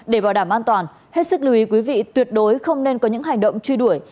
để bảo đảm an toàn hết sức lưu ý quý vị tuyệt đối không nên có những hành động truy đuổi